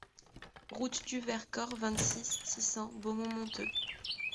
Route du Vercors, vingt-six, six cents Beaumont-Monteux